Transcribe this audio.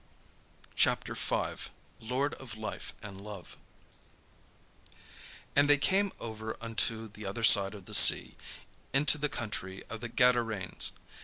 CHAPTER V LORD OF LIFE AND LOVE And they came over unto the other side of the sea, into the country of the Gadarenes.